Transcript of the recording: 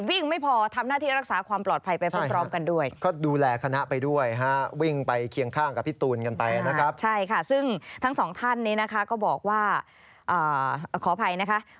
วิ่งไม่พอทำหน้าที่รักษาความปลอดภัยไปพร้อมกันด้วย